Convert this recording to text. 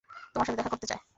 তোমার সাথে দেখা করতে চায়।